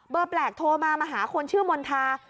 แปลกโทรมามาหาคนชื่อมณฑา